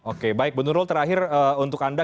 oke baik bu nurul terakhir untuk anda